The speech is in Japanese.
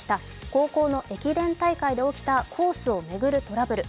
高校の駅伝大会で起きたコースを巡るトラブル。